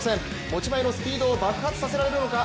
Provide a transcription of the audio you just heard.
持ち前のスピードを爆発させられるのか。